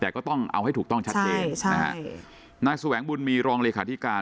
แต่ก็ต้องเอาให้ถูกต้องใช่ใช่อ่ะนะครับนางศุแหงบุญมีรองเลขาที่การ